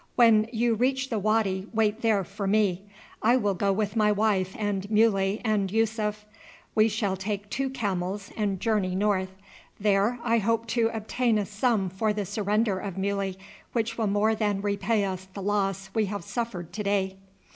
When you reach the wady wait there for me. I go with my wife and Muley and Yussuf. We shall take two camels and journey north. There I hope to obtain a sum for the surrender of Muley, which will more than repay us the loss we have suffered to day."